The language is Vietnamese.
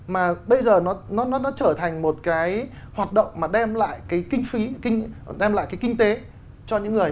mà bây giờ nó trở thành một cái hoạt động mà đem lại cái kinh phí đem lại cái kinh tế cho những người